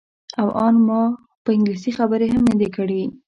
او ان ما خو په انګلیسي خبرې هم نه دي کړې.